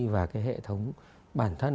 và cái hệ thống bản thân